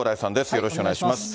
よろしくお願いします。